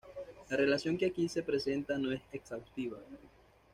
La relación que aquí se presenta no es exhaustiva.